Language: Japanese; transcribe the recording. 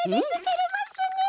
てれますね！